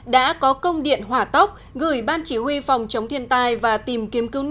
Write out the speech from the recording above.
đã có công điện hỏa tốc gửi ban chỉ huy phòng chống thiên tai và tìm kiếm cứu nạn